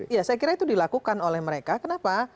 ya saya kira itu dilakukan oleh mereka kenapa